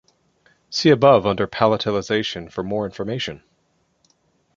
See above under "Palatalization" for more information.